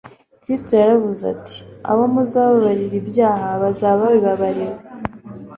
Kristo yaravuze ati: "abo muzababarira ibyaha, bazaba babibabariwe,